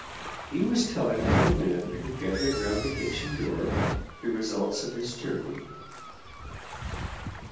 He was telling to the men who gathered round the kitchen door the results of his journey.